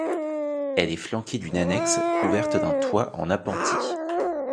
Elle est flanquée d'une annexe couverte d'une toit en appentis.